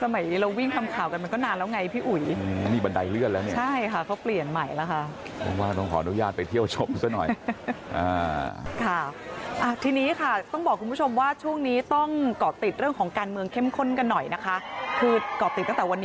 ไม่ก็ขึ้นลิฟท์แต่ขึ้นลิฟท์ก็เจ้าหน้าที่กับสอสอขึ้นลิฟท์กัน